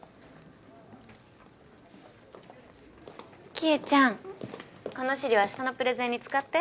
希恵ちゃんこの資料明日のプレゼンに使って。